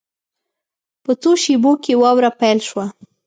په څو شېبو کې واوره پیل شوه.